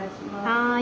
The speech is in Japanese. はい。